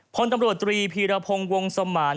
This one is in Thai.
พลตำรวจ๓พีระพงวงสมาน